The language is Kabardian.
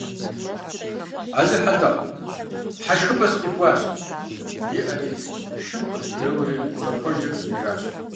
– Алыхь-Алыхь, хьэшхыпӀэ сыкъихуащ, – жери шым къыжьэдэуэри къыщӀэпхъуэри къежьэжащ.